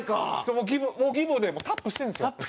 もうギブでタップしてるんですよ。